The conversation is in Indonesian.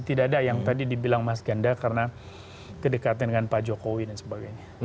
tidak ada yang tadi dibilang mas ganda karena kedekatan dengan pak jokowi dan sebagainya